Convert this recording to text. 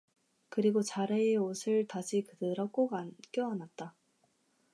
그리고 자리옷을 다시 들어 꼭 껴안았다.